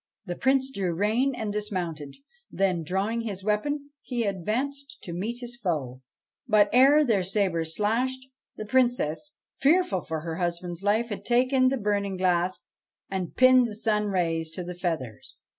The Prince drew rein and dismounted ; then, drawing his weapon, he advanced to meet his foe. But, ere their sabres clashed, the Princess, fearful for her husband's life, had taken the burning glass and pinned the sun's rays to the feathers.